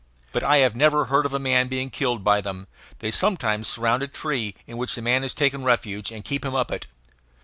But I have never heard of a man being killed by them. They sometimes surround the tree in which the man has taken refuge and keep him up it.